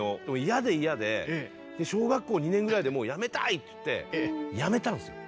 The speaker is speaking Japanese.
嫌で嫌で小学校２年ぐらいでもうやめたい！って言ってやめたんすよ。